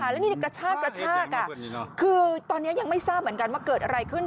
แล้วนี่กระชากกระชากคือตอนนี้ยังไม่ทราบเหมือนกันว่าเกิดอะไรขึ้น